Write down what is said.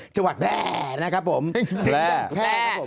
จังหวัดแบ่นะครับผมแบ่แบ่แบ่